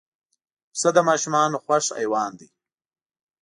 پسه د ماشومانو خوښ حیوان دی.